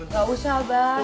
nggak usah abah